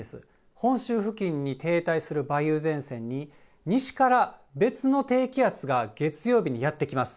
本州付近に停滞する梅雨前線に西から別の低気圧が月曜日にやって来ます。